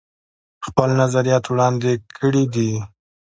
خپل نظريات وړاندې کړي دي